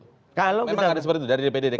memang ada seperti itu dari dpd dki